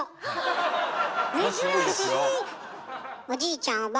おじいちゃん